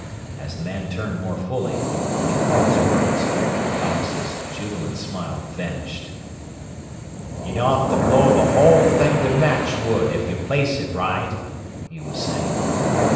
As the man turned more fully, and he caught his words, Alex's jubilant smile vanished. "... enough to blow the whole thing to matchwood, if you place it right," he was saying.